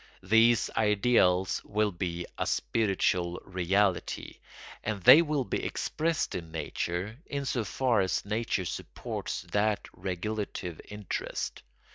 These ideals will be a spiritual reality; and they will be expressed in nature in so far as nature supports that regulative interest.